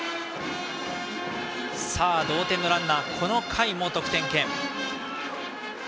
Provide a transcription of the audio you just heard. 同点のランナー、この回も得点圏。